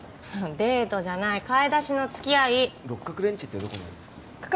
デートじゃない買い出しのつきあい六角レンチってどこにありますか？